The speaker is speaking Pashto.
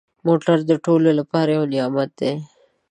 موټر د ټولو لپاره یو نعمت دی.